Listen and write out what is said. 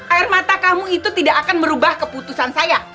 air mata kamu itu tidak akan merubah keputusan saya